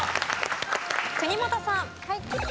国本さん。